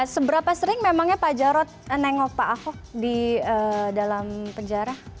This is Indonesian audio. seberapa sering memangnya pak jarod nengok pak ahok di dalam penjara